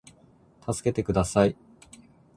たすけてください